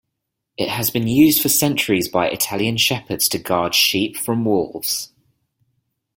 It has been used for centuries by Italian shepherds to guard sheep from wolves.